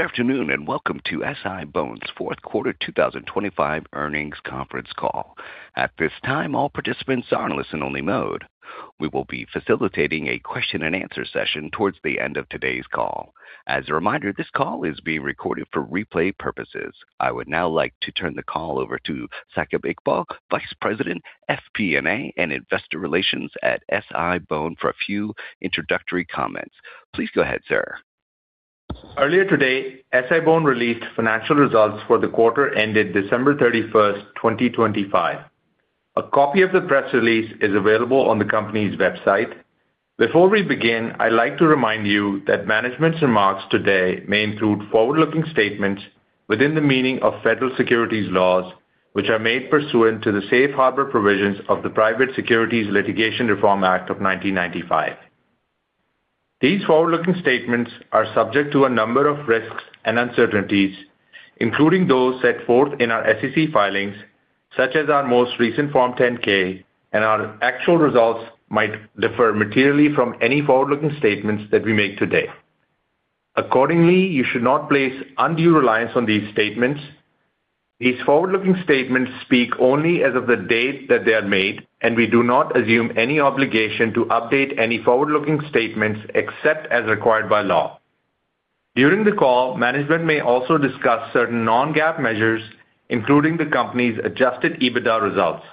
Good afternoon, and welcome to SI-BONE's Fourth Quarter 2025 Earnings Conference Call. At this time, all participants are in listen-only mode. We will be facilitating a Q&A session towards the end of today's call. As a reminder, this call is being recorded for replay purposes. I would now like to turn the call over to Saqib Iqbal, Vice President, FP&A, and Investor Relations at SI-BONE, for a few introductory comments. Please go ahead, sir. Earlier today, SI-BONE released financial results for the quarter ended December 31, 2025. A copy of the press release is available on the company's website. Before we begin, I'd like to remind you that management's remarks today may include forward-looking statements within the meaning of federal securities laws, which are made pursuant to the Safe Harbor provisions of the Private Securities Litigation Reform Act of 1995. These forward-looking statements are subject to a number of risks and uncertainties, including those set forth in our SEC filings, such as our most recent Form 10-K, and our actual results might differ materially from any forward-looking statements that we make today. Accordingly, you should not place undue reliance on these statements. These forward-looking statements speak only as of the date that they are made, and we do not assume any obligation to update any forward-looking statements except as required by law. During the call, management may also discuss certain non-GAAP measures, including the company's adjusted EBITDA results.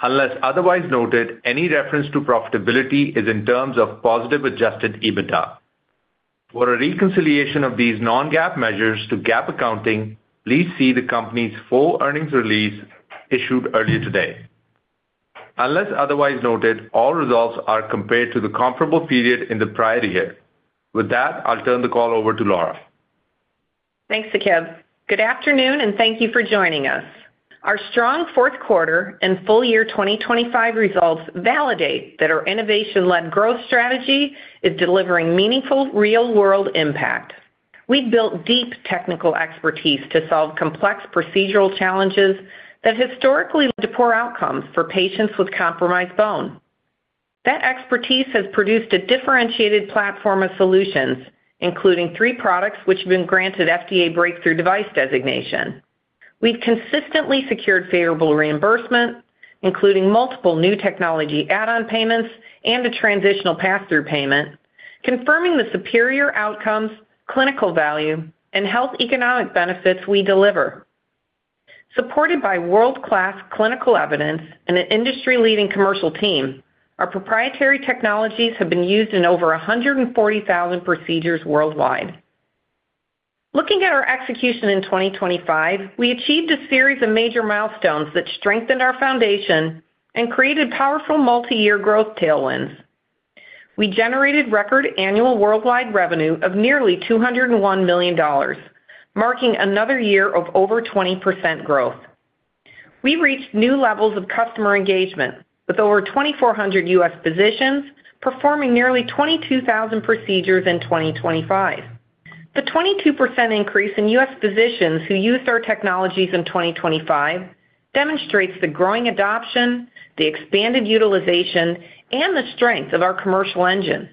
Unless otherwise noted, any reference to profitability is in terms of positive adjusted EBITDA. For a reconciliation of these non-GAAP measures to GAAP accounting, please see the company's full earnings release issued earlier today. Unless otherwise noted, all results are compared to the comparable period in the prior year. With that, I'll turn the call over to Laura. Thanks, Saqib. Good afternoon, and thank you for joining us. Our strong fourth quarter and full year 2025 results validate that our innovation-led growth strategy is delivering meaningful real-world impact. We've built deep technical expertise to solve complex procedural challenges that historically led to poor outcomes for patients with compromised bone. That expertise has produced a differentiated platform of solutions, including three products which have been granted FDA breakthrough device designation. We've consistently secured favorable reimbursement, including multiple New Technology Add-on Payments and a transitional pass-through payment, confirming the superior outcomes, clinical value, and health economic benefits we deliver. Supported by world-class clinical evidence and an industry-leading commercial team, our proprietary technologies have been used in over 140,000 procedures worldwide. Looking at our execution in 2025, we achieved a series of major milestones that strengthened our foundation and created powerful multi-year growth tailwinds. We generated record annual worldwide revenue of nearly $201 million, marking another year of over 20% growth. We reached new levels of customer engagement, with over 2,400 U.S. physicians performing nearly 22,000 procedures in 2025. The 22% increase in U.S. physicians who used our technologies in 2025 demonstrates the growing adoption, the expanded utilization, and the strength of our commercial engine.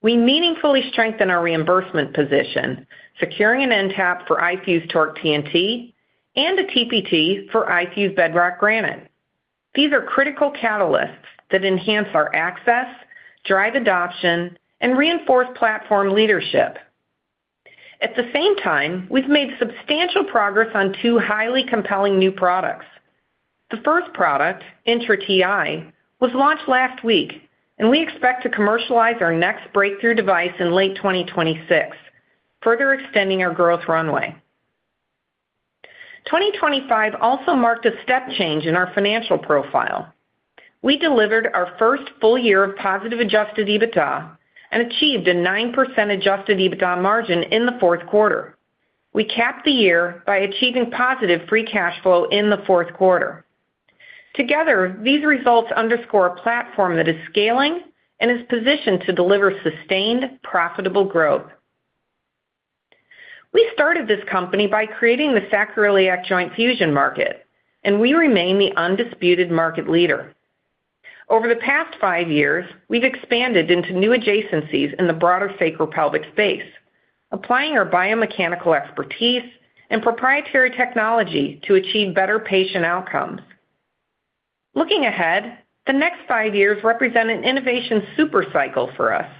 We meaningfully strengthened our reimbursement position, securing an NTAP for iFuse TORQ TNT and a TPT for iFuse Bedrock Granite. These are critical catalysts that enhance our access, drive adoption, and reinforce platform leadership. At the same time, we've made substantial progress on two highly compelling new products. The first product, INTRA Ti, was launched last week, and we expect to commercialize our next breakthrough device in late 2026, further extending our growth runway. 2025 also marked a step change in our financial profile. We delivered our first full year of positive adjusted EBITDA and achieved a 9% adjusted EBITDA margin in the fourth quarter. We capped the year by achieving positive free cash flow in the fourth quarter. Together, these results underscore a platform that is scaling and is positioned to deliver sustained, profitable growth. We started this company by creating the sacroiliac joint fusion market, and we remain the undisputed market leader. Over the past five years, we've expanded into new adjacencies in the broader sacropelvic space, applying our biomechanical expertise and proprietary technology to achieve better patient outcomes. Looking ahead, the next five years represent an innovation super cycle for us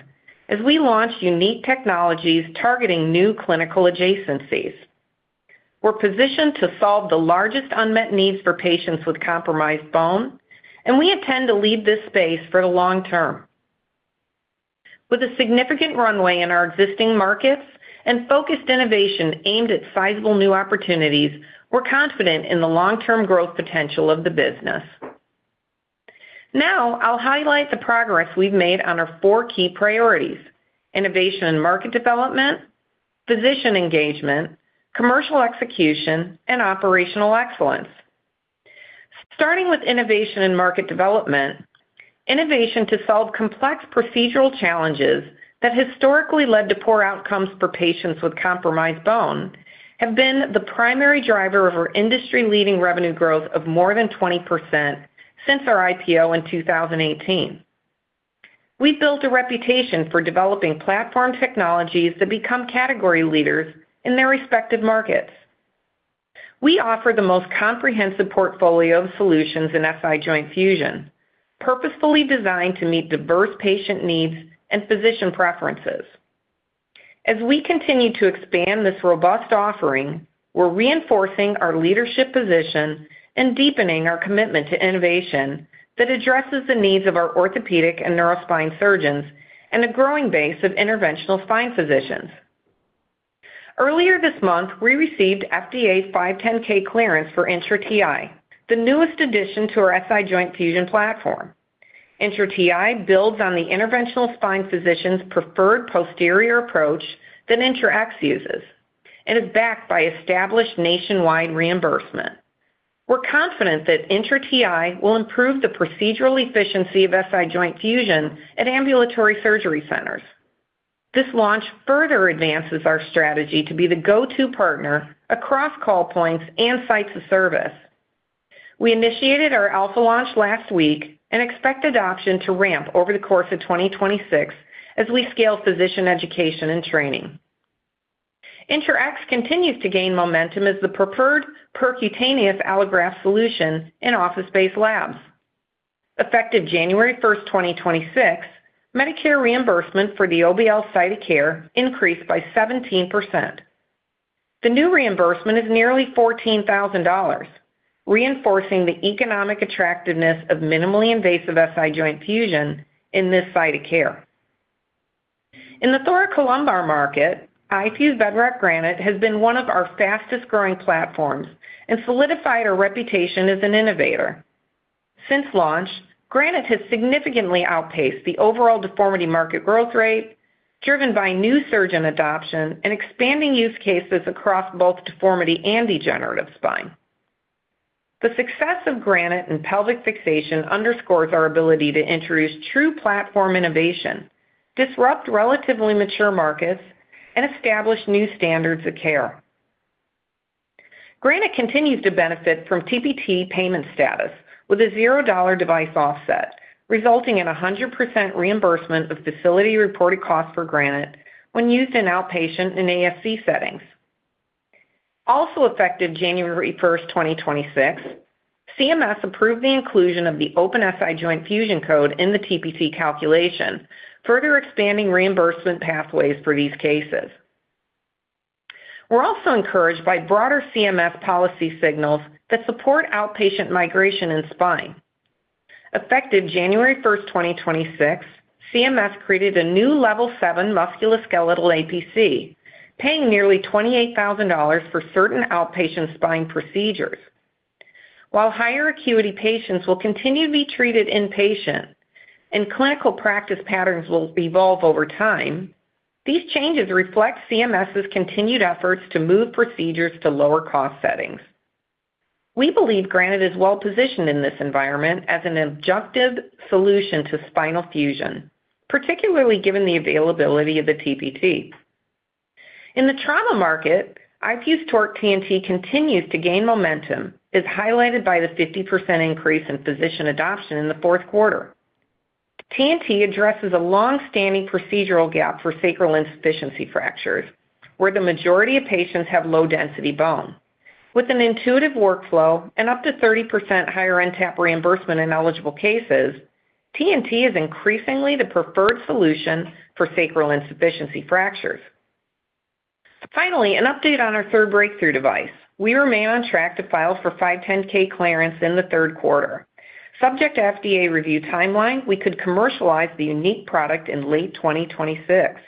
as we launch unique technologies targeting new clinical adjacencies. We're positioned to solve the largest unmet needs for patients with compromised bone, and we intend to lead this space for the long term. With a significant runway in our existing markets and focused innovation aimed at sizable new opportunities, we're confident in the long-term growth potential of the business. Now, I'll highlight the progress we've made on our four key priorities: innovation and market development, physician engagement, commercial execution, and operational excellence. Starting with innovation and market development, innovation to solve complex procedural challenges that historically led to poor outcomes for patients with compromised bone have been the primary driver of our industry-leading revenue growth of more than 20% since our IPO in 2018. We've built a reputation for developing platform technologies that become category leaders in their respective markets. We offer the most comprehensive portfolio of solutions in SI joint fusion, purposefully designed to meet diverse patient needs and physician preferences. As we continue to expand this robust offering, we're reinforcing our leadership position and deepening our commitment to innovation that addresses the needs of our orthopedic and neurospine surgeons and a growing base of interventional spine physicians. Earlier this month, we received FDA's 510(k) clearance for INTRA Ti, the newest addition to our SI joint fusion platform. INTRA Ti builds on the interventional spine physician's preferred posterior approach that INTRA X uses and is backed by established nationwide reimbursement. We're confident that INTRA Ti will improve the procedural efficiency of SI joint fusion at ambulatory surgery centers. This launch further advances our strategy to be the go-to partner across call points and sites of service. We initiated our alpha launch last week and expect adoption to ramp over the course of 2026 as we scale physician education and training. INTRA X continues to gain momentum as the preferred percutaneous allograft solution in office-based labs. Effective January 1st, 2026, Medicare reimbursement for the OBL site of care increased by 17%. The new reimbursement is nearly $14,000, reinforcing the economic attractiveness of minimally invasive SI joint fusion in this site of care. In the thoracolumbar market, iFuse Bedrock Granite has been one of our fastest-growing platforms and solidified our reputation as an innovator. Since launch, Granite has significantly outpaced the overall deformity market growth rate, driven by new surgeon adoption and expanding use cases across both deformity and degenerative spine. The success of Granite in pelvic fixation underscores our ability to introduce true platform innovation, disrupt relatively mature markets, and establish new standards of care. Granite continues to benefit from TPT payment status with a $0 device offset, resulting in 100% reimbursement of facility-reported costs for Granite when used in outpatient and ASC settings. Effective January 1, 2026, CMS approved the inclusion of the open SI joint fusion code in the TPT calculation, further expanding reimbursement pathways for these cases. We're also encouraged by broader CMS policy signals that support outpatient migration in spine. Effective January 1, 2026, CMS created a new level seven musculoskeletal APC, paying nearly $28,000 for certain outpatient spine procedures. While higher acuity patients will continue to be treated inpatient and clinical practice patterns will evolve over time, these changes reflect CMS's continued efforts to move procedures to lower-cost settings. We believe Granite is well-positioned in this environment as an adjunctive solution to spinal fusion, particularly given the availability of the TPT. In the trauma market, iFuse TORQ TNT continues to gain momentum, as highlighted by the 50% increase in physician adoption in the fourth quarter. TNT addresses a long-standing procedural gap for sacral insufficiency fractures, where the majority of patients have low-density bone. With an intuitive workflow and up to 30% higher NTAP reimbursement in eligible cases, TNT is increasingly the preferred solution for sacral insufficiency fractures. Finally, an update on our third breakthrough device. We remain on track to file for 510(k) clearance in the third quarter. Subject to FDA review timeline, we could commercialize the unique product in late 2026.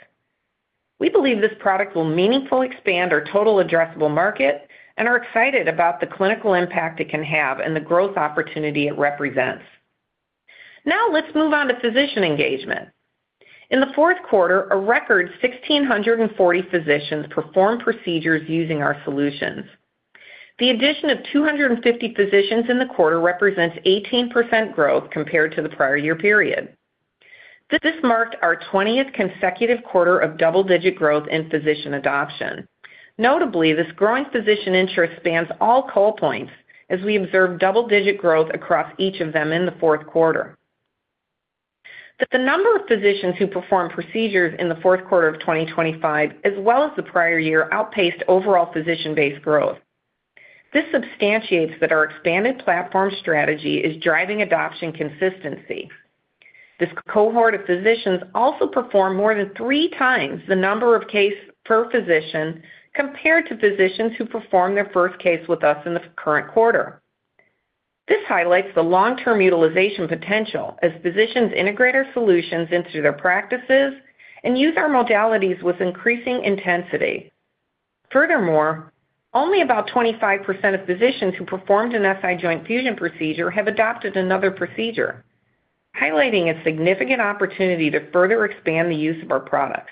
We believe this product will meaningfully expand our total addressable market and are excited about the clinical impact it can have and the growth opportunity it represents. Let's move on to physician engagement. In the fourth quarter, a record 1,640 physicians performed procedures using our solutions. The addition of 250 physicians in the quarter represents 18% growth compared to the prior year period. This marked our twentieth consecutive quarter of double-digit growth in physician adoption. Notably, this growing physician interest spans all call points, as we observed double-digit growth across each of them in the fourth quarter. The number of physicians who performed procedures in the fourth quarter of 2025, as well as the prior year, outpaced overall physician base growth. This substantiates that our expanded platform strategy is driving adoption consistency. This cohort of physicians also performed more than three times the number of cases per physician compared to physicians who performed their first case with us in the current quarter. This highlights the long-term utilization potential as physicians integrate our solutions into their practices and use our modalities with increasing intensity. Furthermore, only about 25% of physicians who performed an SI joint fusion procedure have adopted another procedure, highlighting a significant opportunity to further expand the use of our products.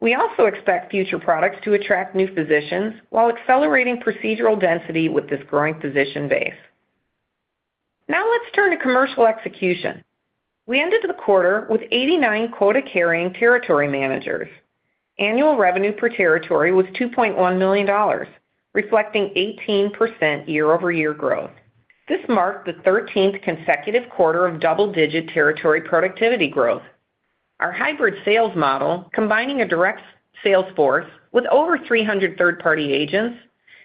We also expect future products to attract new physicians while accelerating procedural density with this growing physician base. Now, let's turn to commercial execution. We ended the quarter with 89 quota-carrying territory managers. Annual revenue per territory was $2.1 million, reflecting 18% year-over-year growth. This marked the 13th consecutive quarter of double-digit territory productivity growth. Our hybrid sales model, combining a direct sales force with over 300 third-party agents,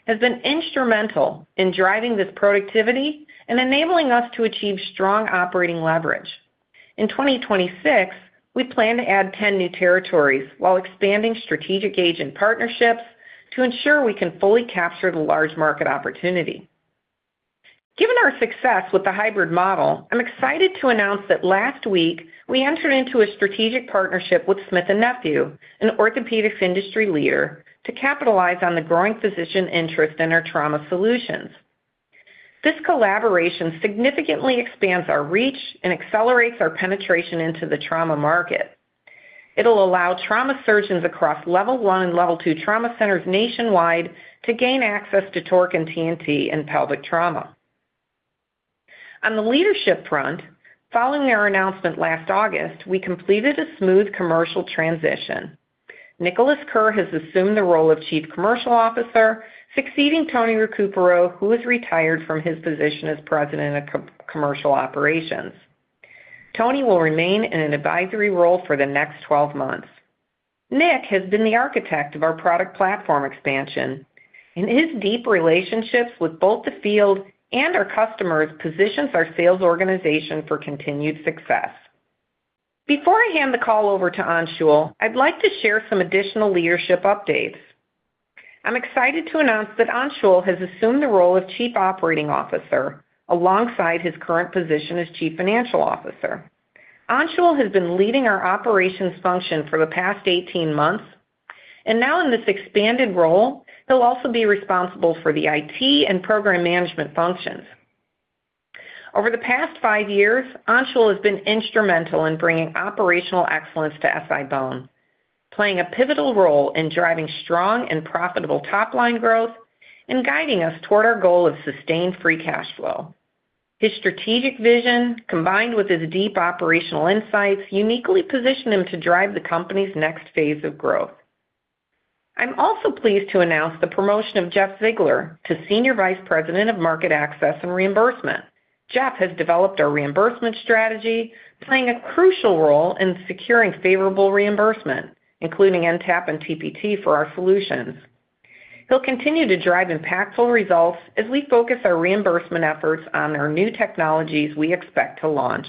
has been instrumental in driving this productivity and enabling us to achieve strong operating leverage. In 2026, we plan to add 10 new territories while expanding strategic agent partnerships to ensure we can fully capture the large market opportunity. Given our success with the hybrid model, I'm excited to announce that last week we entered into a strategic Smith+Nephew, an orthopedics industry leader, to capitalize on the growing physician interest in our trauma solutions. This collaboration significantly expands our reach and accelerates our penetration into the trauma market. It'll allow trauma surgeons across level one and level two trauma centers nationwide to gain access to TORQ and TNT in pelvic trauma. On the leadership front, following our announcement last August, we completed a smooth commercial transition. Nikolas Kerr has assumed the role of Chief Commercial Officer, succeeding Tony Recupero, who has retired from his position as President of Commercial Operations. Tony will remain in an advisory role for the next 12 months. Nick has been the architect of our product platform expansion, and his deep relationships with both the field and our customers positions our sales organization for continued success. Before I hand the call over to Anshul, I'd like to share some additional leadership updates. I'm excited to announce that Anshul has assumed the role of Chief Operating Officer, alongside his current position as Chief Financial Officer. Anshul has been leading our operations function for the past 18 months, and now in this expanded role, he'll also be responsible for the IT and program management functions. Over the past five years, Anshul has been instrumental in bringing operational excellence to SI-BONE, playing a pivotal role in driving strong and profitable top-line growth and guiding us toward our goal of sustained free cash flow. His strategic vision, combined with his deep operational insights, uniquely position him to drive the company's next phase of growth. I'm also pleased to announce the promotion of Jeff Ziegler to Senior Vice President of Market Access and Reimbursement. Jeff has developed our reimbursement strategy, playing a crucial role in securing favorable reimbursement, including NTAP and TPT, for our solutions. He'll continue to drive impactful results as we focus our reimbursement efforts on our new technologies we expect to launch.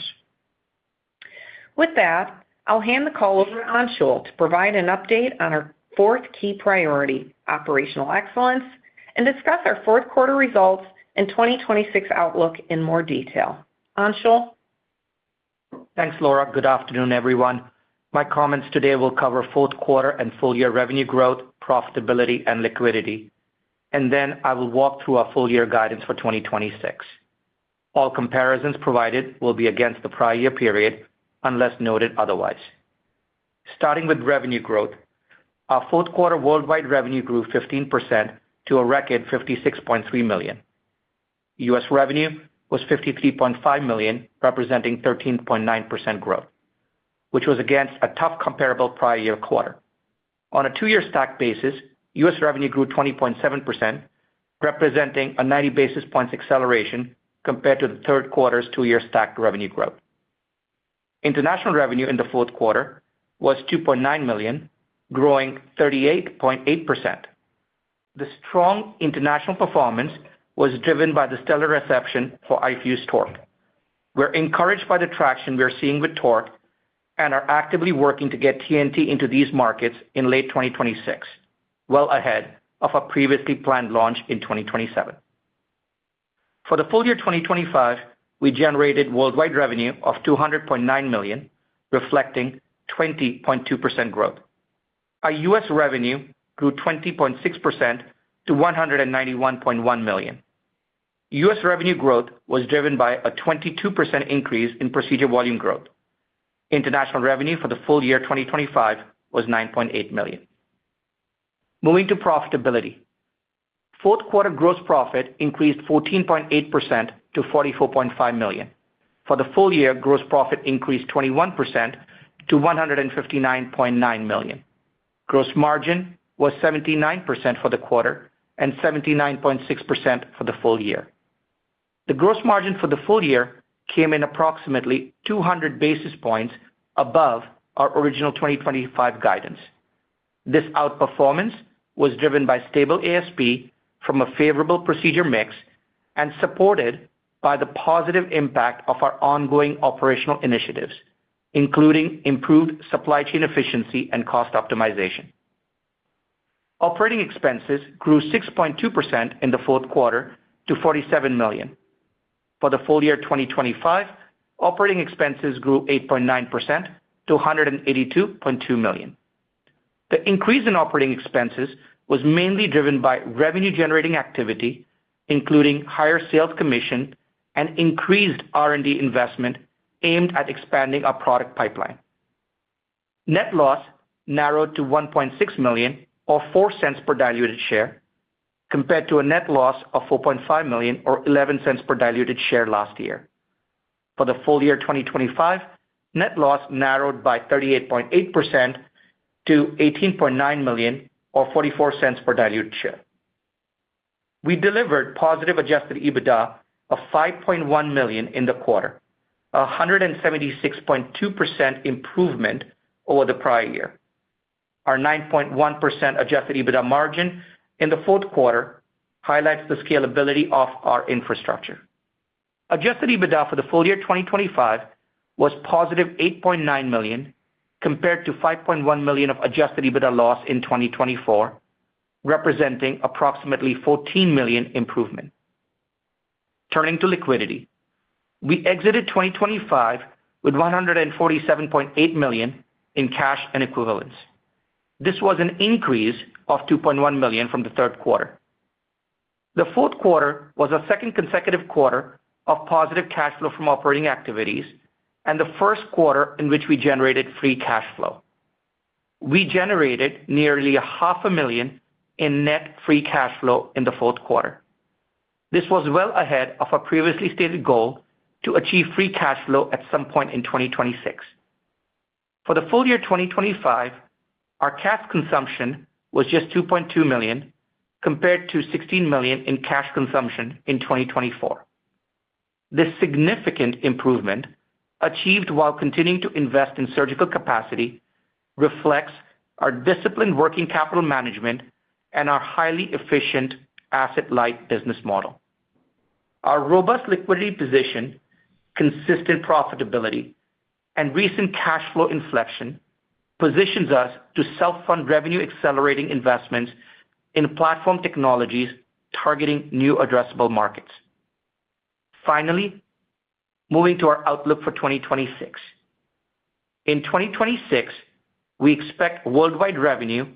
With that, I'll hand the call over to Anshul to provide an update on our fourth key priority, operational excellence, and discuss our fourth quarter results and 2026 outlook in more detail. Anshul? Thanks, Laura. Good afternoon, everyone. My comments today will cover fourth quarter and full-year revenue growth, profitability, and liquidity, and then I will walk through our full-year guidance for 2026. All comparisons provided will be against the prior year period, unless noted otherwise. Starting with revenue growth, our fourth quarter worldwide revenue grew 15% to a record $56.3 million. U.S. revenue was $53.5 million, representing 13.9% growth, which was against a tough comparable prior year quarter. On a two-year stack basis, US revenue grew 20.7%, representing a 90 basis points acceleration compared to the third quarter's two-year stacked revenue growth. International revenue in the fourth quarter was $2.9 million, growing 38.8%. The strong international performance was driven by the stellar reception for iFuse TORQ. We're encouraged by the traction we are seeing with TORQ and are actively working to get TNT into these markets in late 2026, well ahead of our previously planned launch in 2027. For the full year 2025, we generated worldwide revenue of $200.9 million, reflecting 20.2% growth. Our U.S. revenue grew 20.6% to $191.1 million. U.S. revenue growth was driven by a 22% increase in procedure volume growth. International revenue for the full year 2025 was $9.8 million. Moving to profitability. Fourth quarter gross profit increased 14.8% to $44.5 million. For the full year, gross profit increased 21% to $159.9 million. Gross margin was 79% for the quarter and 79.6% for the full year. The gross margin for the full year came in approximately 200 basis points above our original 2025 guidance. This outperformance was driven by stable ASP from a favorable procedure mix and supported by the positive impact of our ongoing operational initiatives, including improved supply chain efficiency and cost optimization. Operating expenses grew 6.2% in the fourth quarter to $47 million. For the full year 2025, Operating expenses grew 8.9% to $182.2 million. The increase in Operating expenses was mainly driven by revenue-generating activity, including higher sales commission and increased R&D investment aimed at expanding our product pipeline. Net loss narrowed to $1.6 million or $0.04 per diluted share, compared to a net loss of $4.5 million or $0.11 per diluted share last year. for the full year 2025, net loss narrowed by 38.8% to $18.9 million, or $0.44 per diluted share. We delivered positive adjusted EBITDA of $5.1 million in the quarter, a 176.2% improvement over the prior year. Our 9.1% adjusted EBITDA margin in the fourth quarter highlights the scalability of our infrastructure. Adjusted EBITDA for the full year 2025 was positive $8.9 million, compared to $5.1 million of adjusted EBITDA loss in 2024, representing approximately $14 million improvement. Turning to liquidity. We exited 2025 with $147.8 million in cash and equivalents. This was an increase of $2.1 million from the third quarter. The fourth quarter was a second consecutive quarter of positive cash flow from operating activities and the first quarter in which we generated free cash flow. We generated nearly $500,000 in net free cash flow in the fourth quarter. This was well ahead of our previously stated goal to achieve free cash flow at some point in 2026. For the full year 2025, our cash consumption was just $2.2 million, compared to $16 million in cash consumption in 2024. This significant improvement, achieved while continuing to invest in surgical capacity, reflects our disciplined working capital management and our highly efficient asset-light business model. Our robust liquidity position, consistent profitability, and recent cash flow inflection positions us to self-fund revenue-accelerating investments in platform technologies targeting new addressable markets. Finally, moving to our outlook for 2026. In 2026, we expect worldwide revenue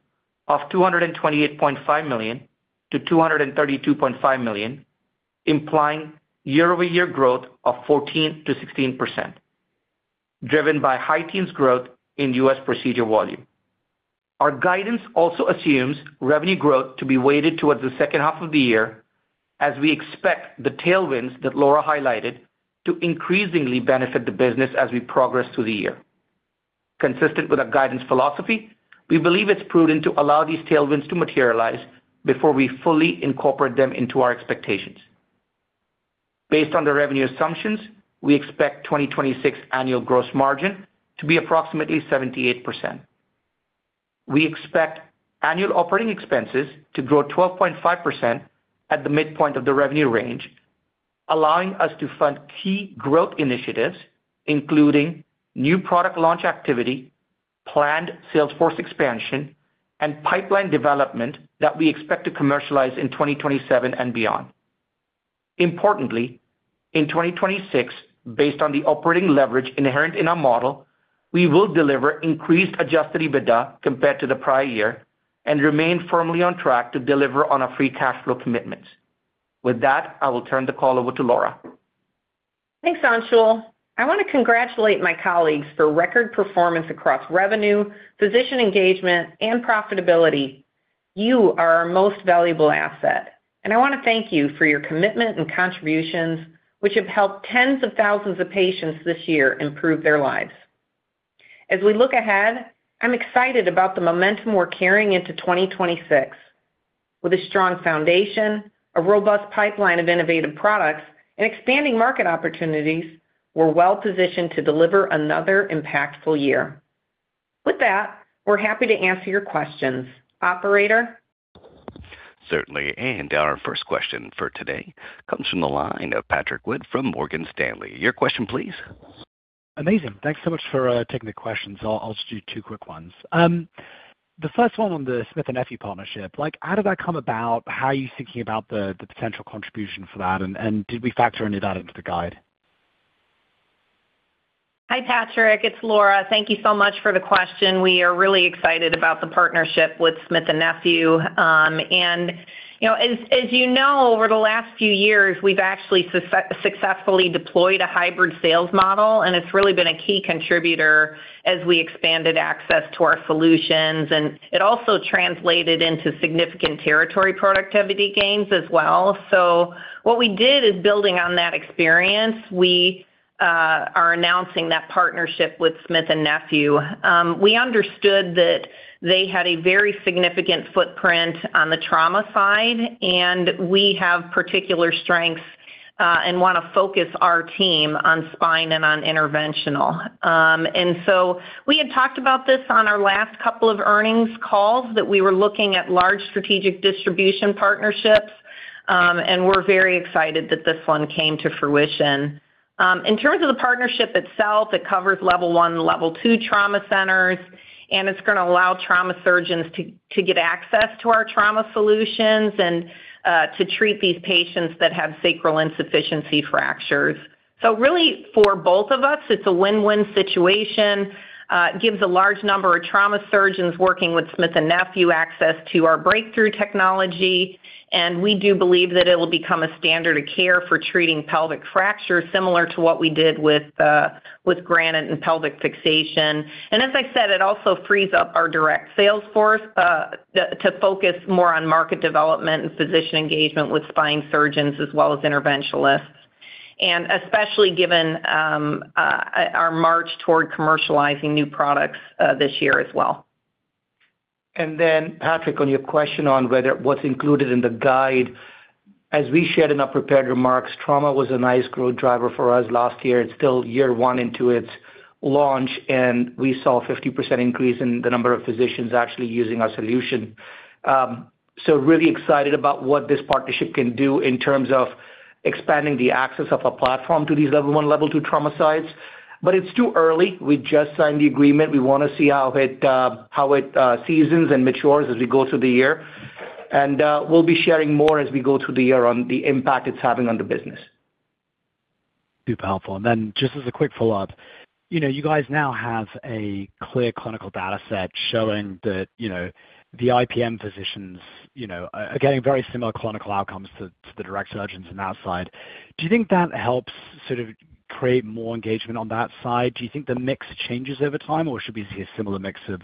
of $228.5 million-$232.5 million, implying year-over-year growth of 14%-16%, driven by high teens growth in U.S. procedure volume. Our guidance also assumes revenue growth to be weighted towards the second half of the year, as we expect the tailwinds that Laura highlighted to increasingly benefit the business as we progress through the year. Consistent with our guidance philosophy, we believe it's prudent to allow these tailwinds to materialize before we fully incorporate them into our expectations. Based on the revenue assumptions, we expect 2026 annual gross margin to be approximately 78%. We expect annual operating expenses to grow 12.5% at the midpoint of the revenue range, allowing us to fund key growth initiatives, including new product launch activity, planned sales force expansion, and pipeline development that we expect to commercialize in 2027 and beyond. Importantly, in 2026, based on the operating leverage inherent in our model, we will deliver increased adjusted EBITDA compared to the prior year and remain firmly on track to deliver on our free cash flow commitment. With that, I will turn the call over to Laura. Thanks, Anshul. I want to congratulate my colleagues for record performance across revenue, physician engagement, and profitability. You are our most valuable asset, and I want to thank you for your commitment and contributions, which have helped tens of thousands of patients this year improve their lives. As we look ahead, I'm excited about the momentum we're carrying into 2026. With a strong foundation, a robust pipeline of innovative products, and expanding market opportunities, we're well positioned to deliver another impactful year. With that, we're happy to answer your questions. Operator? Certainly. Our first question for today comes from the line of Patrick Wood from Morgan Stanley. Your question, please. Amazing. Thanks so much for taking the questions. I'll, I'll just do two quick ones. The first one Smith+Nephew partnership, like, how did that come about? How are you thinking about the, the potential contribution for that, and, and did we factor any of that into the guide? Hi, Patrick, it's Laura. Thank you so much for the question. We are really excited about the Smith+Nephew. You know, as, as you know, over the last few years, we've actually successfully deployed a hybrid sales model, and it's really been a key contributor as we expanded access to our solutions, and it also translated into significant territory productivity gains as well. What we did is, building on that experience, we are announcing that Smith+Nephew. We understood that they had a very significant footprint on the trauma side, and we have particular strengths, and want to focus our team on spine and on interventional. We had talked about this on our last couple of earnings calls, that we were looking at large strategic distribution partnerships, and we're very excited that this one came to fruition. In terms of the partnership itself, it covers level one and level two trauma centers, and it's going to allow trauma surgeons to get access to our trauma solutions and to treat these patients that have sacral insufficiency fractures. Really, for both of us, it's a win-win situation. It gives a large number of trauma surgeons Smith+Nephew access to our breakthrough technology, and we do believe that it will become a standard of care for treating pelvic fractures, similar to what we did with Granite and pelvic fixation. As I said, it also frees up our direct sales force to focus more on market development and physician engagement with spine surgeons, as well as interventionalists, and especially given our march toward commercializing new products this year as well. Patrick, on your question on whether what's included in the guide, as we shared in our prepared remarks, trauma was a nice growth driver for us last year. It's still year one into its launch, and we saw a 50% increase in the number of physicians actually using our solution. Really excited about what this partnership can do in terms of expanding the access of our platform to these level one, level two trauma sites. It's too early. We just signed the agreement. We wanna see how it seasons and matures as we go through the year. We'll be sharing more as we go through the year on the impact it's having on the business. Too powerful. Then just as a quick follow-up, you know, you guys now have a clear clinical data set showing that, you know, the IPM physicians, you know, are getting very similar clinical outcomes to, to the direct surgeons in that side. Do you think that helps sort of create more engagement on that side? Do you think the mix changes over time, or should we see a similar mix of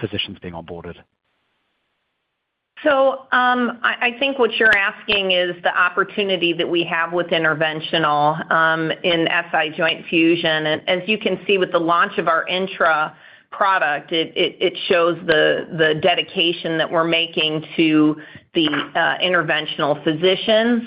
physicians being onboarded? I, I think what you're asking is the opportunity that we have with interventional in SI joint fusion. As you can see, with the launch of our INTRA product, it, it, it shows the, the dedication that we're making to the interventional physicians.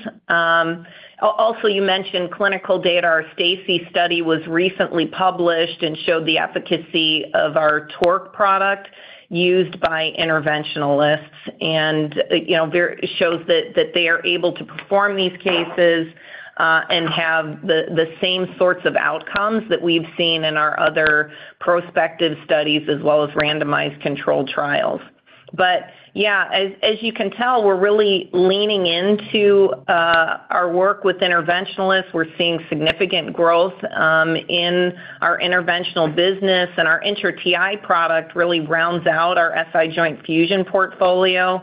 Also, you mentioned clinical data. Our STACI study was recently published and showed the efficacy of our TORQ product used by interventionalists. You know, ver- shows that, that they are able to perform these cases and have the, the same sorts of outcomes that we've seen in our other prospective studies, as well as randomized controlled trials. Yeah, as, as you can tell, we're really leaning into our work with interventionalists. We're seeing significant growth in our interventional business, and our INTRA Ti product really rounds out our SI joint fusion portfolio.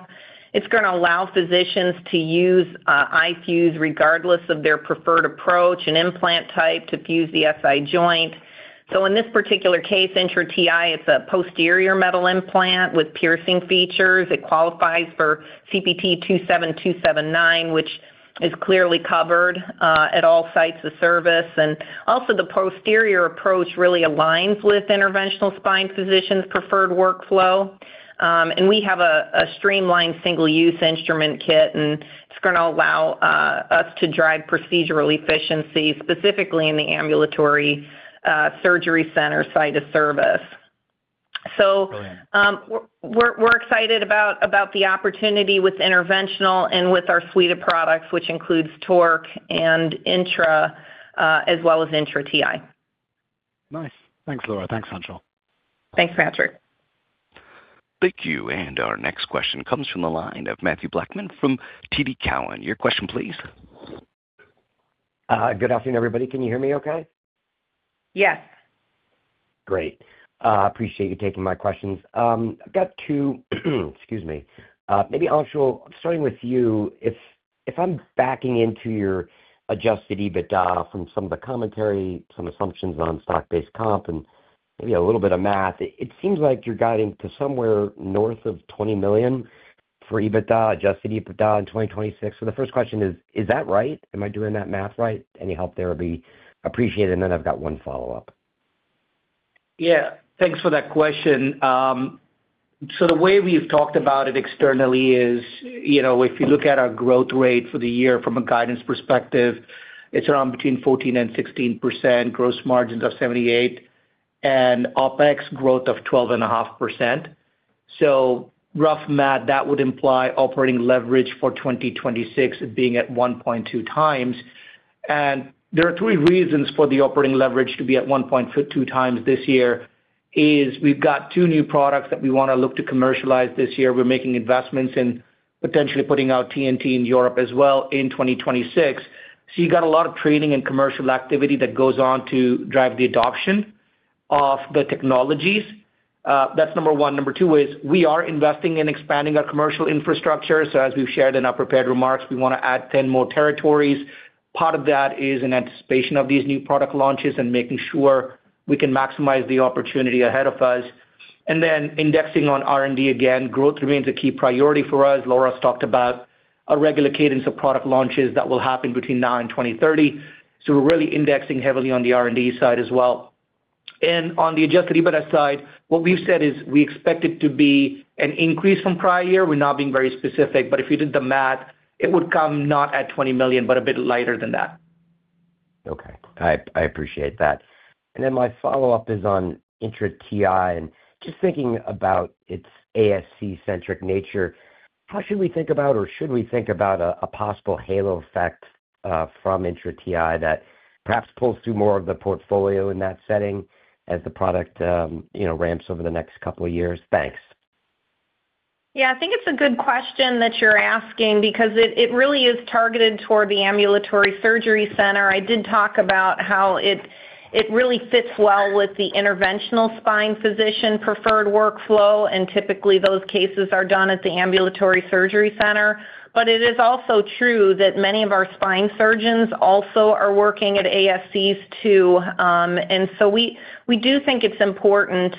It's gonna allow physicians to use iFuse regardless of their preferred approach and implant type, to fuse the SI joint. In this particular case, INTRA Ti, it's a posterior metal implant with piercing features. It qualifies for CPT 27279, which is clearly covered at all sites of service. Also, the posterior approach really aligns with interventional spine physicians' preferred workflow. And we have a streamlined single-use instrument kit, and it's gonna allow us to drive procedural efficiency, specifically in the ambulatory surgery center site of service. Brilliant. We're, we're excited about, about the opportunity with interventional and with our suite of products, which includes TORQ and INTRA, as well as INTRA Ti. Nice. Thanks, Laura. Thanks, Anshul. Thanks, Patrick. Thank you. Our next question comes from the line of Mathew Blackman from TD Cowen. Your question, please. Good afternoon, everybody. Can you hear me okay? Yes. Great. appreciate you taking my questions. I've got two. Excuse me. maybe, Anshul, starting with you, if, if I'm backing into your adjusted EBITDA from some of the commentary, some assumptions on stock-based comp, and maybe a little bit of math, it seems like you're guiding to somewhere north of $20 million for EBITDA, adjusted EBITDA in 2026. The first question is, is that right? Am I doing that math right? Any help there would be appreciated, and then I've got one follow-up. Yeah, thanks for that question. The way we've talked about it externally is, you know, if you look at our growth rate for the year from a guidance perspective, it's around between 14% and 16%, gross margins of 78%, and OpEx growth of 12.5%. Rough math, that would imply operating leverage for 2026 being at 1.2x. There are three reasons for the operating leverage to be at 1.2x this year, is we've got two new products that we wanna look to commercialize this year. We're making investments in potentially putting out TNT in Europe as well in 2026. You got a lot of training and commercial activity that goes on to drive the adoption of the technologies. That's number one. Number two is we are investing in expanding our commercial infrastructure. As we've shared in our prepared remarks, we wanna add 10 more territories. Part of that is in anticipation of these new product launches and making sure we can maximize the opportunity ahead of us. Then indexing on R&D again, growth remains a key priority for us. Laura's talked about a regular cadence of product launches that will happen between now and 2030, so we're really indexing heavily on the R&D side as well. On the adjusted EBITDA side, what we've said is we expect it to be an increase from prior year. We're not being very specific, but if you did the math, it would come not at $20 million, but a bit lighter than that. Okay. I, I appreciate that. My follow-up is on INTRA Ti, and just thinking about its ASC-centric nature, how should we think about or should we think about a, a possible halo effect, from INTRA Ti that perhaps pulls through more of the portfolio in that setting as the product, you know, ramps over the next couple of years? Thanks. Yeah, I think it's a good question that you're asking because it, it really is targeted toward the ambulatory surgery center. I did talk about how it, it really fits well with the interventional spine physician preferred workflow, and typically, those cases are done at the ambulatory surgery center. It is also true that many of our spine surgeons also are working at ASCs too. We, we do think it's important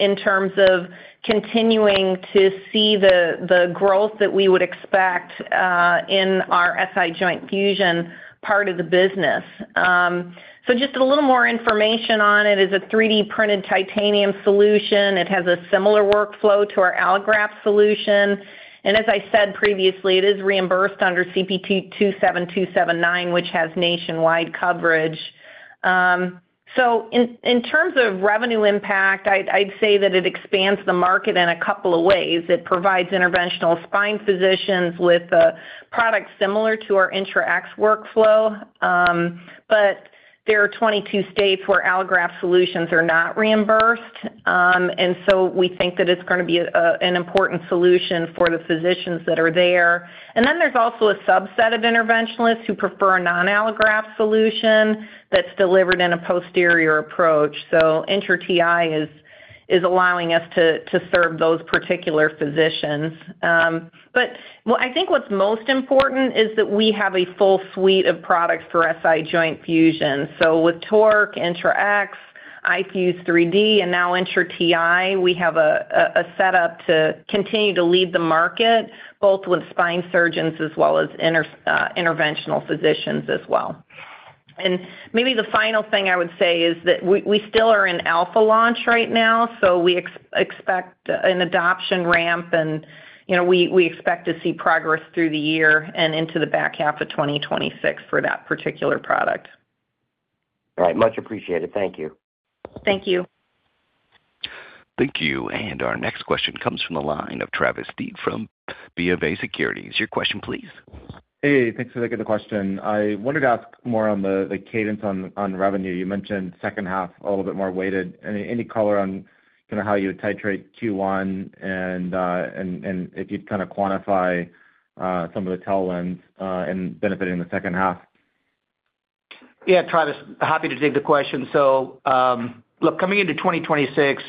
in terms of continuing to see the growth that we would expect in our SI joint fusion part of the business. Just a little more information on it, is a 3D-printed titanium solution. It has a similar workflow to our allograft solution, and as I said previously, it is reimbursed under CPT 27279, which has nationwide coverage. In, in terms of revenue impact, I'd, I'd say that it expands the market in a couple of ways. It provides interventional spine physicians with a product similar to our INTRA X workflow, but there are 22 states where allograft solutions are not reimbursed. So we think that it's gonna be an important solution for the physicians that are there. Then there's also a subset of interventionalists who prefer a non-allograft solution that's delivered in a posterior approach. INTRA Ti is, is allowing us to, to serve those particular physicians. Well, I think what's most important is that we have a full suite of products for SI joint fusion. With TORQ, INTRA X, iFuse-3D, and now INTRA Ti, we have a setup to continue to lead the market, both with spine surgeons as well as interventional physicians as well. Maybe the final thing I would say is that we, we still are in alpha launch right now, so we expect an adoption ramp and, you know, we, we expect to see progress through the year and into the back half of 2026 for that particular product. All right. Much appreciated. Thank you. Thank you. Thank you. Our next question comes from the line of Travis Steed from BofA Securities. Your question, please. Hey, thanks for taking the question. I wanted to ask more on the, the cadence on, on revenue. You mentioned second half, a little bit more weighted. Any, any color on kinda how you would titrate Q1 and if you'd kinda quantify some of the tailwinds, and benefiting the second half? Yeah, Travis, happy to take the question. Look, coming into 2026,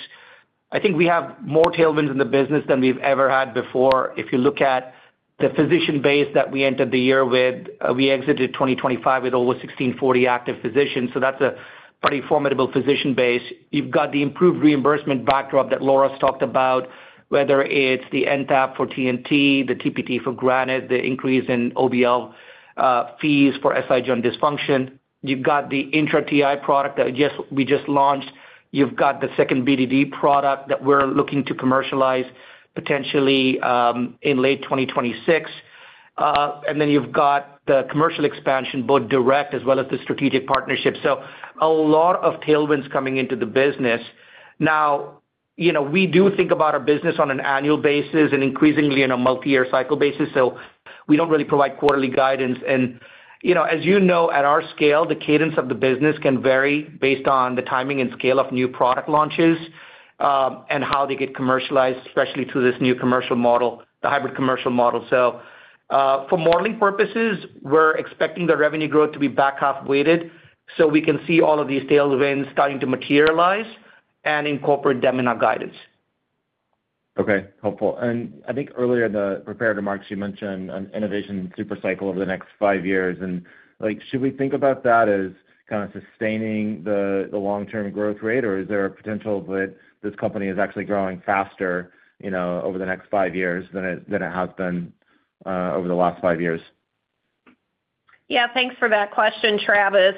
I think we have more tailwinds in the business than we've ever had before. If you look at the physician base that we entered the year with, we exited 2025 with over 1,640 active physicians, so that's a pretty formidable physician base. You've got the improved reimbursement backdrop that Laura's talked about, whether it's the NTAP for TNT, the TPT for Granite, the increase in OBL fees for SI joint dysfunction. You've got the INTRA Ti product that we just launched. You've got the 2nd BDD product that we're looking to commercialize potentially in late 2026. And then you've got the commercial expansion, both direct as well as the strategic partnership. A lot of tailwinds coming into the business. you know, we do think about our business on an annual basis and increasingly on a multiyear cycle basis, so we don't really provide quarterly guidance. you know, as you know, at our scale, the cadence of the business can vary based on the timing and scale of new product launches, and how they get commercialized, especially through this new commercial model, the hybrid commercial model. for modeling purposes, we're expecting the revenue growth to be back half weighted, so we can see all of these tailwinds starting to materialize and incorporate them in our guidance. Okay, helpful. I think earlier in the prepared remarks, you mentioned an innovation super cycle over the next five years. Like, should we think about that as kind of sustaining the, the long-term growth rate, or is there a potential that this company is actually growing faster, you know, over the next five years than it, than it has been over the last five years? Yeah, thanks for that question, Travis.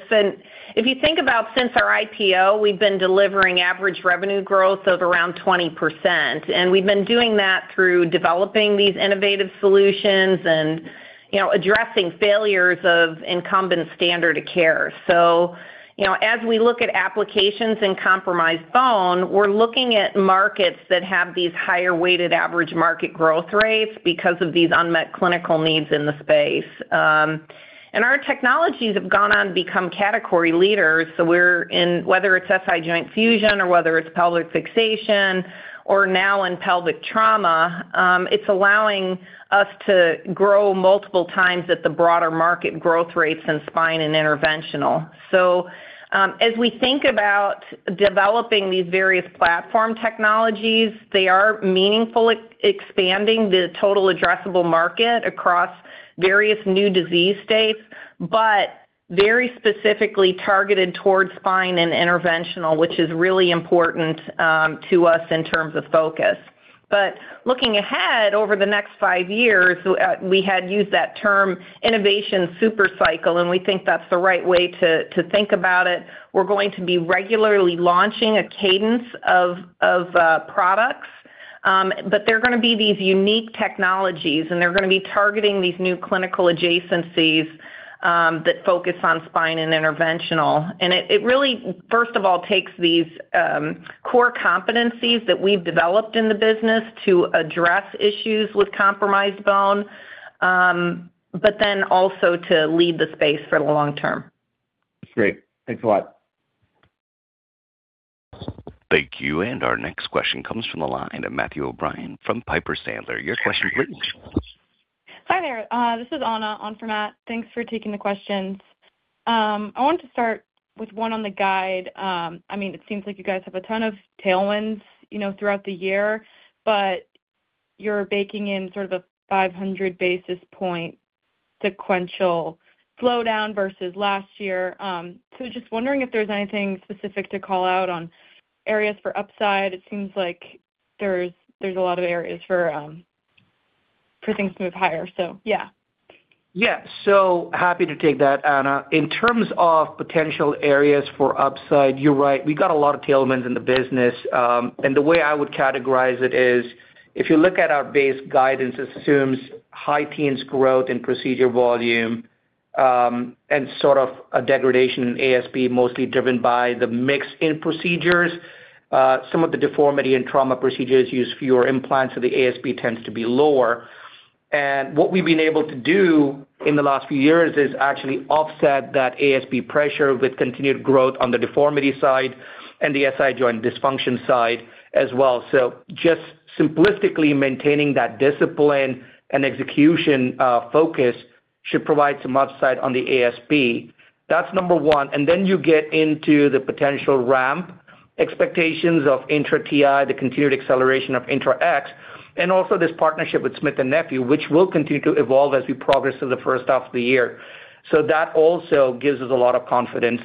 If you think about since our IPO, we've been delivering average revenue growth of around 20%, and we've been doing that through developing these innovative solutions and, you know, addressing failures of incumbent standard of care. You know, as we look at applications in compromised bone, we're looking at markets that have these higher weighted average market growth rates because of these unmet clinical needs in the space. Our technologies have gone on to become category leaders. We're whether it's SI joint fusion or whether it's pelvic fixation or now in pelvic trauma, it's allowing us to grow multiple times at the broader market growth rates in spine and interventional. As we think about developing these various platform technologies, they are meaningfully expanding the total addressable market across various new disease states, but very specifically targeted towards spine and interventional, which is really important to us in terms of focus. Looking ahead over the next five years, we had used that term innovation super cycle, and we think that's the right way to think about it. We're going to be regularly launching a cadence of products, but they're gonna be these unique technologies, and they're gonna be targeting these new clinical adjacencies that focus on spine and interventional. It, it really, first of all, takes these core competencies that we've developed in the business to address issues with compromised bone, but then also to lead the space for the long term. Great. Thanks a lot. Thank you. Our next question comes from the line of Matthew O'Brien from Piper Sandler. Your question, please. Hi, there. This is Anna on for Matt. Thanks for taking the questions. I wanted to start with one on the guide. I mean, it seems like you guys have a ton of tailwinds, you know, throughout the year, but you're baking in sort of a 500 basis point sequential slowdown versus last year. Just wondering if there's anything specific to call out on areas for upside. It seems like there's, there's a lot of areas for, for things to move higher. Yeah. Yeah. Happy to take that, Anna. In terms of potential areas for upside, you're right, we got a lot of tailwinds in the business. The way I would categorize it is, if you look at our base guidance, high teens growth in procedure volume, and sort of a degradation in ASP, mostly driven by the mix in procedures. Some of the deformity and trauma procedures use fewer implants, so the ASP tends to be lower. What we've been able to do in the last few years is actually offset that ASP pressure with continued growth on the deformity side and the SI joint dysfunction side as well. Just simplistically, maintaining that discipline and execution focus should provide some upside on the ASP. That's number one. Then you get into the potential ramp expectations of INTRA Ti, the continued acceleration of INTRA X, and also this Smith+Nephew, which will continue to evolve as we progress through the first half of the year. That also gives us a lot of confidence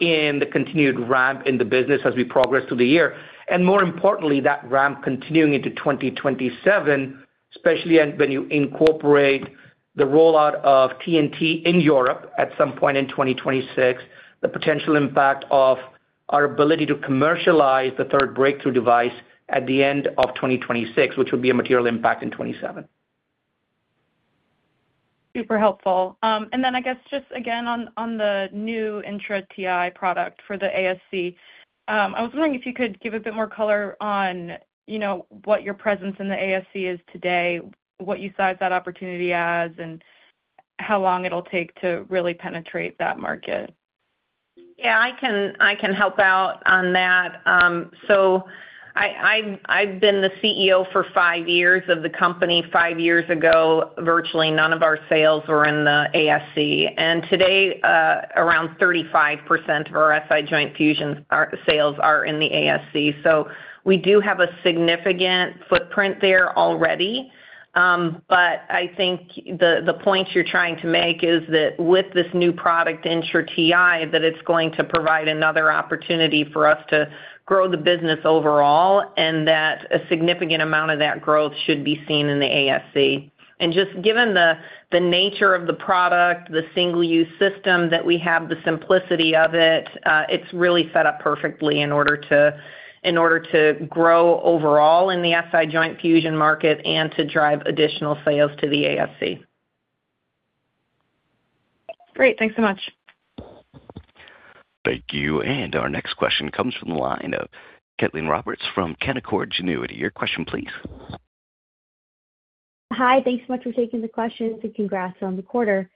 in the continued ramp in the business as we progress through the year, and more importantly, that ramp continuing into 2027, especially when you incorporate the rollout of TNT in Europe at some point in 2026, the potential impact of our ability to commercialize the third breakthrough device at the end of 2026, which will be a material impact in 2027. Super helpful. Then I guess just again, on, on the new INTRA Ti product for the ASC, I was wondering if you could give a bit more color on, you know, what your presence in the ASC is today, what you size that opportunity as, and how long it'll take to really penetrate that market? Yeah, I can, I can help out on that. I, I've, I've been the CEO for five years of the company. Five years ago, virtually none of our sales were in the ASC, and today, around 35% of our SI joint fusion are-- sales are in the ASC. We do have a significant footprint there already. But I think the, the point you're trying to make is that with this new product, INTRA Ti, that it's going to provide another opportunity for us to grow the business overall, and that a significant amount of that growth should be seen in the ASC. Just given the, the nature of the product, the single-use system that we have, the simplicity of it, it's really set up perfectly in order to, in order to grow overall in the SI joint fusion market and to drive additional sales to the ASC. Great. Thanks so much. Thank you. Our next question comes from the line of Caitlin Roberts from Canaccord Genuity. Your question please. Hi. Thanks so much for taking the question. Congrats on the quarter.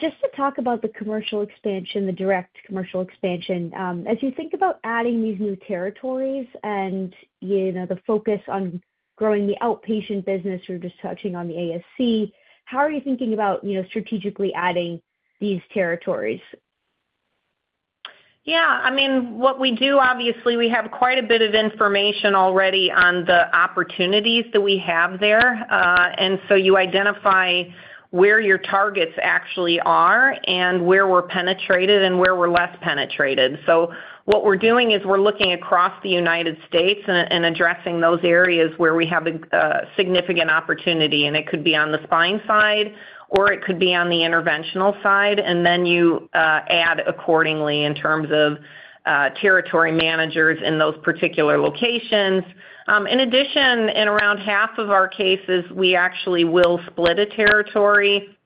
Just to talk about the commercial expansion, the direct commercial expansion, as you think about adding these new territories and, you know, the focus on growing the outpatient business, you're just touching on the ASC, how are you thinking about, you know, strategically adding these territories? Yeah, I mean, what we do, obviously, we have quite a bit of information already on the opportunities that we have there. So you identify where your targets actually are and where we're penetrated and where we're less penetrated. What we're doing is we're looking across the United States and addressing those areas where we have a significant opportunity, and it could be on the spine side, or it could be on the interventional side, and then you add accordingly in terms of territory managers in those particular locations. In addition, in around half of our cases, we actually will split a territory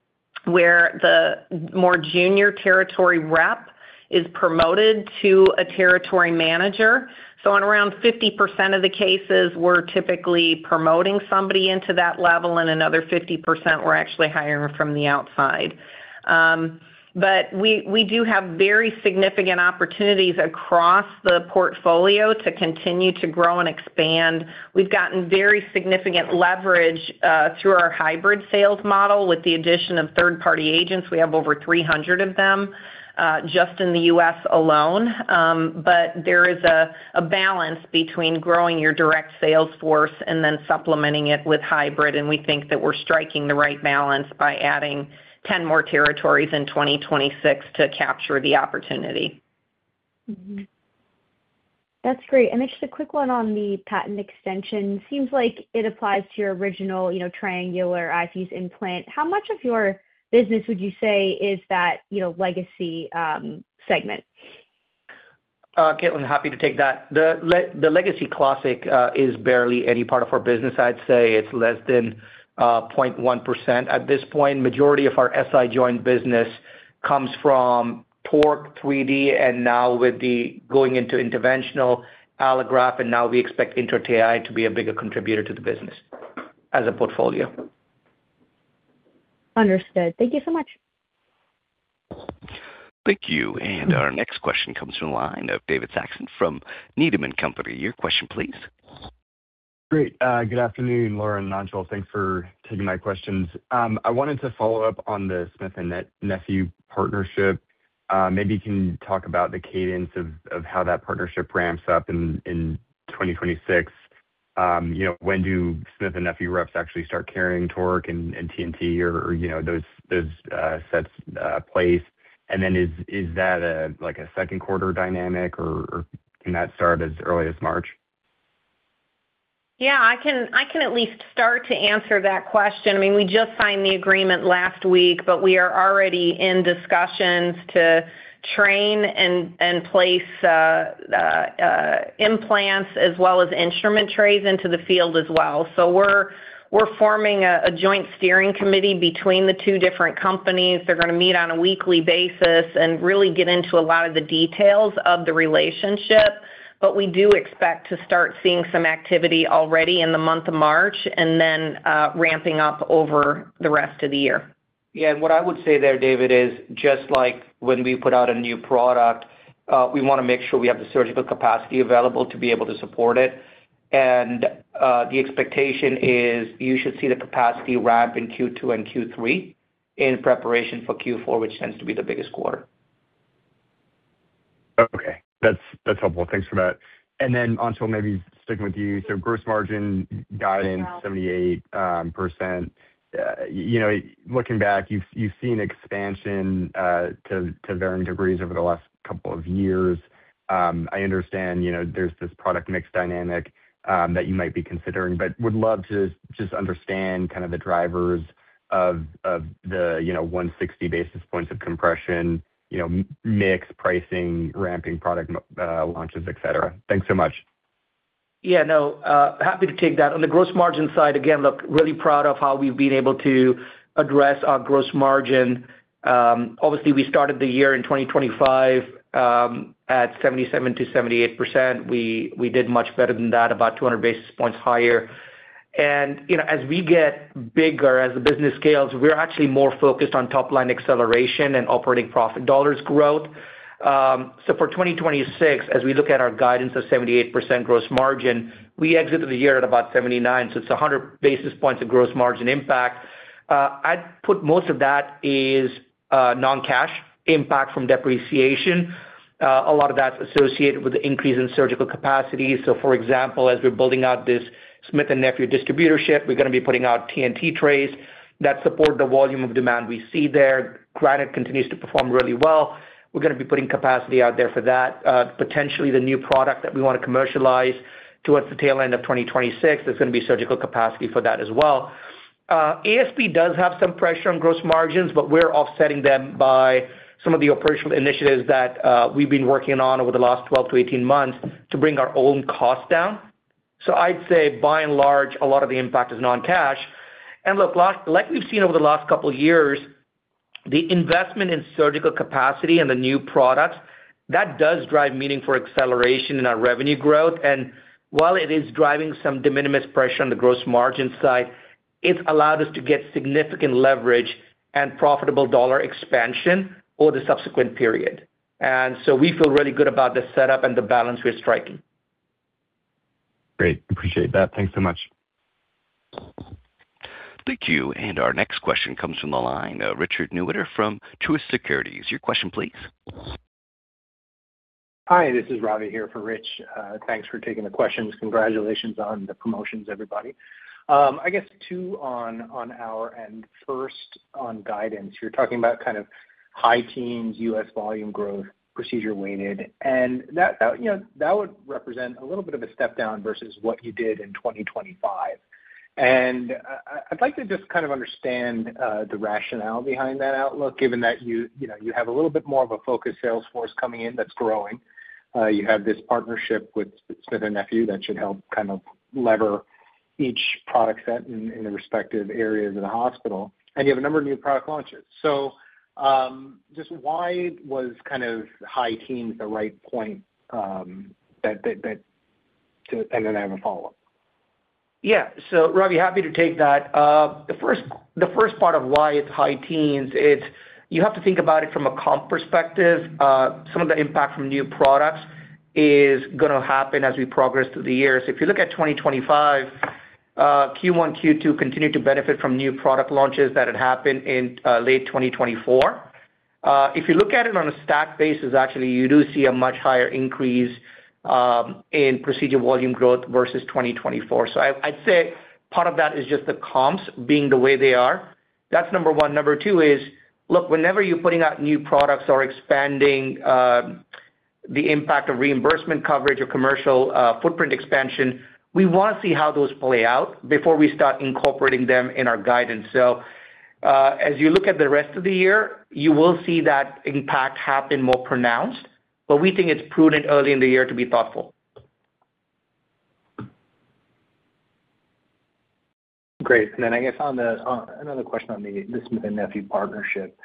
where the more junior territory rep is promoted to a territory manager. On around 50% of the cases, we're typically promoting somebody into that level, and another 50% we're actually hiring from the outside. We, we do have very significant opportunities across the portfolio to continue to grow and expand. We've gotten very significant leverage, through our hybrid sales model. With the addition of third-party agents, we have over 300 of them, just in the U.S. alone. There is a, a balance between growing your direct sales force and then supplementing it with hybrid, and we think that we're striking the right balance by adding 10 more territories in 2026 to capture the opportunity. That's great. Then just a quick one on the patent extension. Seems like it applies to your original, you know, triangular iFuse implant. How much of your business would you say is that, you know, legacy segment? Caitlin, happy to take that. The legacy classic is barely any part of our business. I'd say it's less than 0.1%. At this point, majority of our SI joint business comes from iFuse TORQ, iFuse-3D, and now with the going into interventional, iFuse INTRA. Now we expect INTRA Ti to be a bigger contributor to the business as a portfolio. Understood. Thank you so much. Thank you. Our next question comes from the line of David Saxon from Needham & Company. Your question please. Great. good afternoon, Laura and Anshul. Thanks for taking my questions. I wanted to follow up Smith+Nephew partnership. maybe you can talk about the cadence of, of how that partnership ramps up in, in 2026. you know, Smith+Nephew reps actually start carrying TORQ and, and TNT or, or, you know, those, those, sets, place? Then is, is that a, like a second quarter dynamic, or, or can that start as early as March? Yeah, I can, I can at least start to answer that question. I mean, we just signed the agreement last week. We are already in discussions to train and, and place implants as well as instrument trays into the field as well. We're, we're forming a, a joint steering committee between the two different companies. They're gonna meet on a weekly basis and really get into a lot of the details of the relationship. We do expect to start seeing some activity already in the month of March and then ramping up over the rest of the year. Yeah, what I would say there, David, is just like when we put out a new product, we wanna make sure we have the surgical capacity available to be able to support it. The expectation is you should see the capacity ramp in Q2 and Q3, in preparation for Q4, which tends to be the biggest quarter. Okay. That's, that's helpful. Thanks for that. Then, Anshul, maybe sticking with you. Gross margin guidance, 78%. You know, looking back, you've, you've seen expansion to varying degrees over the last couple of years. I understand, you know, there's this product mix dynamic that you might be considering, but would love to just understand kind of the drivers of the, you know, 160 basis points of compression, you know, mix, pricing, ramping product launches, et cetera. Thanks so much. Yeah, no, happy to take that. On the gross margin side, again, look, really proud of how we've been able to address our gross margin. Obviously, we started the year in 2025, at 77%-78%. We, we did much better than that, about 200 basis points higher. You know, as we get bigger, as the business scales, we're actually more focused on top-line acceleration and operating profit dollars growth. For 2026, as we look at our guidance of 78% gross margin, we exited the year at about 79, it's a 100 basis points of gross margin impact. I'd put most of that is non-cash impact from depreciation. A lot of that's associated with the increase in surgical capacity. For example, as we're building Smith+Nephew distributorship, we're going to be putting out TNT trays that support the volume of demand we see there. Granite continues to perform really well. We're going to be putting capacity out there for that. Potentially, the new product that we want to commercialize towards the tail end of 2026, there's going to be surgical capacity for that as well. ASP does have some pressure on gross margins, but we're offsetting them by some of the operational initiatives that we've been working on over the last 12-18 months to bring our own costs down. I'd say, by and large, a lot of the impact is non-cash. Look, like we've seen over the last couple of years, the investment in surgical capacity and the new products, that does drive meaningful acceleration in our revenue growth. While it is driving some de minimis pressure on the gross margin side, it's allowed us to get significant leverage and profitable dollar expansion over the subsequent period. We feel really good about the setup and the balance we're striking. Great, appreciate that. Thanks so much. Thank you, our next question comes from the line of Richard Newitter from Truist Securities. Your question, please. Hi, this is Ravi here for Rich. Thanks for taking the questions. Congratulations on the promotions, everybody. I guess two on our end. First, on guidance, you're talking about kind of high teens U.S. volume growth, procedure weighted, and that, you know, that would represent a little bit of a step down versus what you did in 2025. I'd like to just kind of understand the rationale behind that outlook, given that you know, you have a little bit more of a focused sales force coming in that's growing. You have this Smith+Nephew that should help kind of lever each product set in the respective areas of the hospital, and you have a number of new product launches. Just why was kind of high teens the right point, that. Then I have a follow-up. Yeah. Ravi, happy to take that. The first, the first part of why it's high-teens is you have to think about it from a comp perspective. Some of the impact from new products is gonna happen as we progress through the year. If you look at 2025, Q1, Q2 continued to benefit from new product launches that had happened in late 2024. If you look at it on a stack basis, actually, you do see a much higher increase in procedure volume growth versus 2024. I, I'd say part of that is just the comps being the way they are. That's number one. Number two is, look, whenever you're putting out new products or expanding, the impact of reimbursement coverage or commercial, footprint expansion, we want to see how those play out before we start incorporating them in our guidance. As you look at the rest of the year, you will see that impact happen more pronounced, but we think it's prudent early in the year to be thoughtful. Great. Then I guess on the, another question on Smith+Nephew partnership.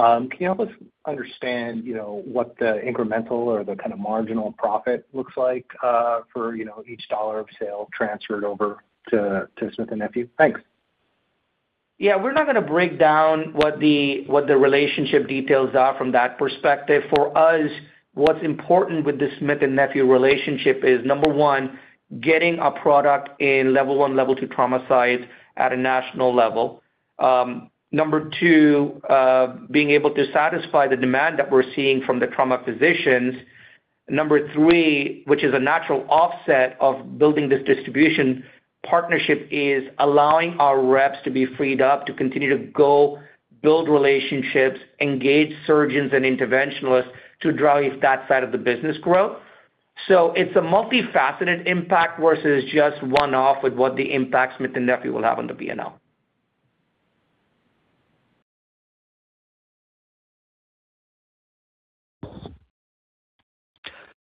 Can you help us understand, you know, what the incremental or the kind of marginal profit looks like, for, you know, each $1 of sale transferred over to Smith+Nephew? Thanks. Yeah, we're not gonna break down what the, what the relationship details are from that perspective. For us, what's important Smith+Nephew relationship is, number one, getting a product in level one, level two trauma sites at a national level. Number two, being able to satisfy the demand that we're seeing from the trauma physicians. Number three, which is a natural offset of building this distribution partnership, is allowing our reps to be freed up to continue to go build relationships, engage surgeons and interventionalists to drive that side of the business growth. It's a multifaceted impact versus just one-off with what Smith+Nephew will have on the P&L.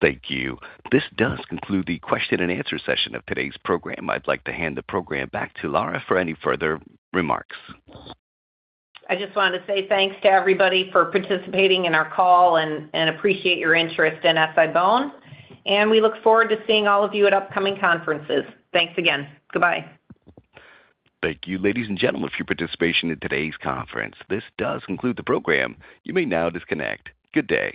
Thank you. This does conclude the Q&A session of today's program. I'd like to hand the program back to Laura for any further remarks. I just wanted to say thanks to everybody for participating in our call and appreciate your interest in SI-BONE, and we look forward to seeing all of you at upcoming conferences. Thanks again. Goodbye. Thank you, ladies and gentlemen, for your participation in today's conference. This does conclude the program. You may now disconnect. Good day.